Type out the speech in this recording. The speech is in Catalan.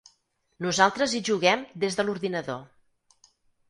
Nosaltres hi juguem des de l'ordinador.